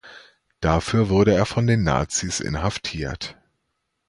Dafür wurde er von den Nazis inhaftiert.